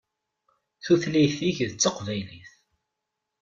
Tutlayt-ik d taqbaylit.